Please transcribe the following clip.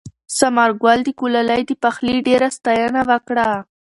ثمرګل د ګلالۍ د پخلي ډېره ستاینه وکړه.